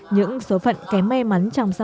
những số phận kém may mắn trong xã hội